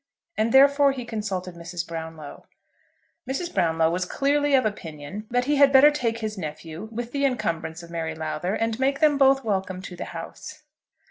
And therefore he consulted Mrs. Brownlow. Mrs. Brownlow was clearly of opinion that he had better take his nephew, with the encumbrance of Mary Lowther, and make them both welcome to the house.